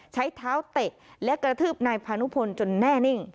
ใช้เท้าเตะและกระทืบนายพานุพลจนแน่นิ่ง